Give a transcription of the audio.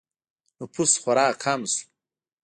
نفوس خورا کم شو